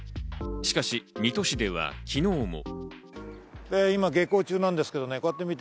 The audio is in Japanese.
しかし、水戸市では昨日も。